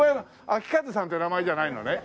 昭和さんって名前じゃないのね。